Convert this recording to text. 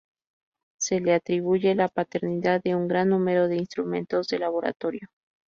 Se le atribuye la paternidad de un gran número de instrumentos de laboratorio.